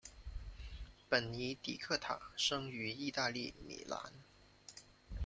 本尼迪克塔生于意大利米兰。